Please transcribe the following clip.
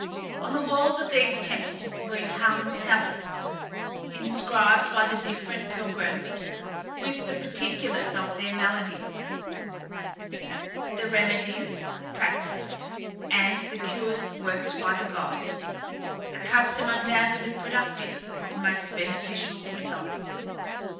On the walls of these temples were hung tablets, inscribed by the different pilgrims with the particulars of their maladies, the remedies practised, and the cures worked by the god: a custom undoubtedly productive of most beneficial results.